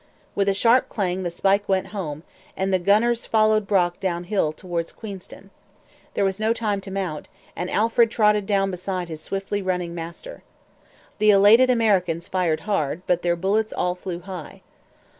With a sharp clang the spike went home, and the gunners followed Brock downhill towards Queenston. There was no time to mount, and Alfred trotted down beside his swiftly running master. The elated Americans fired hard; but their bullets all flew high.